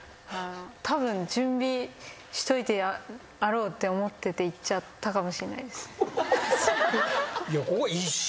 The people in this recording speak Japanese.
たぶん準備しといてあろうって思ってて行っちゃったかもしれないです。